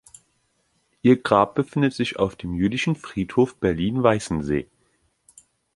Ihr Grab befindet sich auf dem Jüdischen Friedhof Berlin-Weißensee.